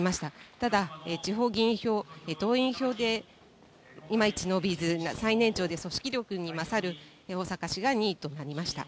ただ、地方議員票、党員票でいまいち伸びず、最年長で組織力に勝る逢坂氏が２位となりました。